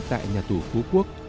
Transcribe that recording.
tại nhà tù phú quốc